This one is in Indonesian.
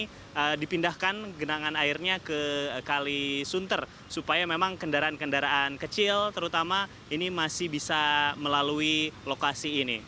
jadi apakah bisa dipindahkan genangan airnya ke kalisunter supaya memang kendaraan kendaraan kecil terutama ini masih bisa melalui lokasi ini